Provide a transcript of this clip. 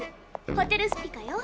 ホテルスピカよ。